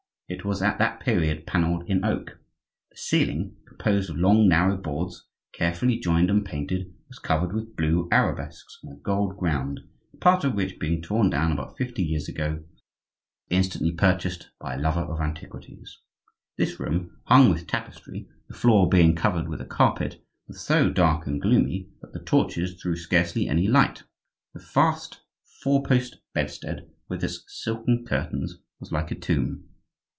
It was at that period panelled in oak. The ceiling, composed of long, narrow boards carefully joined and painted, was covered with blue arabesques on a gold ground, a part of which being torn down about fifty years ago was instantly purchased by a lover of antiquities. This room, hung with tapestry, the floor being covered with a carpet, was so dark and gloomy that the torches threw scarcely any light. The vast four post bedstead with its silken curtains was like a tomb.